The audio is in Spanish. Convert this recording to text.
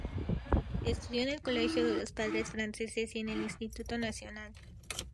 Estudio en el colegio de los Padres Franceses y en el Instituto Nacional.